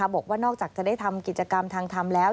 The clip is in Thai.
บอกว่านอกจากจะได้ทำกิจกรรมทางธรรมแล้ว